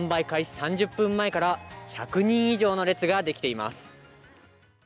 ３０分前から１００人以上の列が出来ています。